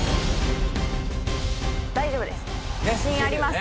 大丈夫です。